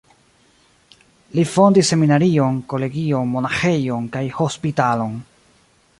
Li fondis seminarion, kolegion, monaĥejojn kaj hospitalon.